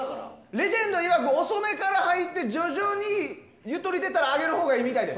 レジェンドいわく遅めから入って徐々にゆとり出たら上げるほうがいいです。